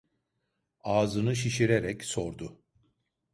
Ağzını şişirerek sordu: